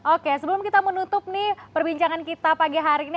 oke sebelum kita menutup nih perbincangan kita pagi hari ini